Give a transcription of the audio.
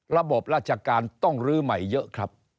ระบบราชการต้องลื้อใหม่เยอะครับ